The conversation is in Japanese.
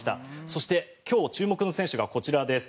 そして今日、注目の選手がこちらです。